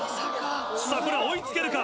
さぁこれは追い付けるか？